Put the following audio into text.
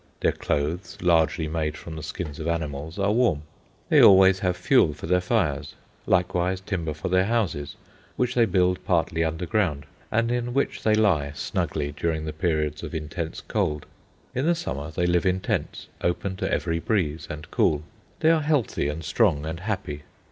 Their clothes, largely made from the skins of animals, are warm. They always have fuel for their fires, likewise timber for their houses, which they build partly underground, and in which they lie snugly during the periods of intense cold. In the summer they live in tents, open to every breeze and cool. They are healthy, and strong, and happy.